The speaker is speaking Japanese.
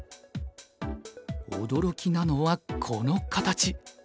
驚きなのはこの形。